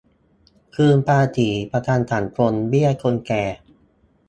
คืนภาษี ประกันสังคม เบี้ยคนแก่